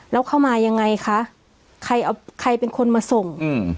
แล้วเข้ามายังไงคะใครเป็นคนมาส่ง